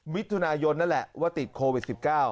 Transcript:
มิถุนายนนั่นแหละว่าติดโควิด๑๙